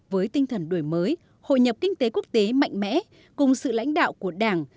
với tinh thần đổi mới hội nhập kinh tế quốc tế mạnh mẽ cùng sự lãnh đạo của đảng